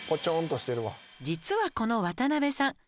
「実はこの渡辺さん